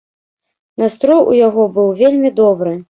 Настрой у яго быў вельмі добры.